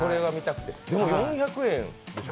４００円でしょ？